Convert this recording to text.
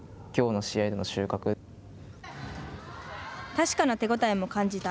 確かな手応えも感じた